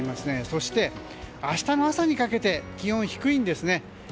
そして、明日の朝にかけて気温が低いんですね。